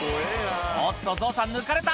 おっと、ゾウさん、抜かれた。